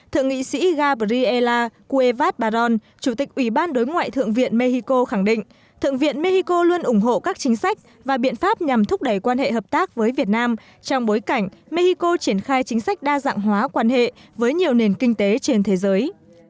thượng nghị sĩ gabriela kuevad baron chủ tịch ủy ban đối ngoại thượng viện mexico khẳng định thượng viện mexico luôn ủng hộ các chính sách và biện pháp nhằm thúc đẩy quan hệ hợp tác với việt nam trong bối cảnh mexico triển khai chính sách đa dạng hóa quan hệ với nhiều nền kinh tế trên thế giới